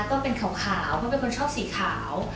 ก็เป็นขาวเพราะเป็นคนชอบสีขาว